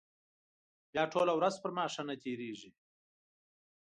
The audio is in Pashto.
بیا ټوله ورځ پر ما ښه نه تېرېږي.